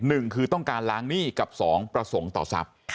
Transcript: หนึ่งคือต้องการล้างหนี้กับสองประสงค์ต่อทรัพย์